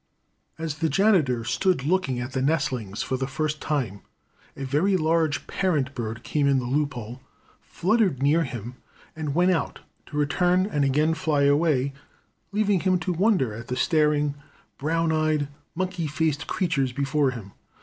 As the janitor stood looking at the nestlings for the first time, a very large parent bird came in the loop hole, fluttered near him and went out, to return and again fly away, leaving him to wonder at the staring, brown eyed, monkey faced creatures before him.